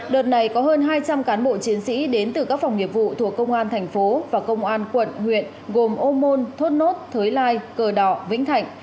đợt này có hơn hai trăm linh cán bộ chiến sĩ đến từ các phòng nghiệp vụ thuộc công an thành phố và công an quận huyện gồm ô môn thốt nốt thới lai cờ đỏ vĩnh thạnh